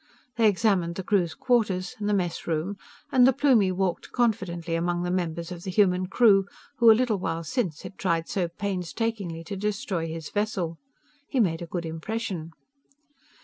They examined the crew's quarters, and the mess room, and the Plumie walked confidently among the members of the human crew, who a little while since had tried so painstakingly to destroy his vessel. He made a good impression.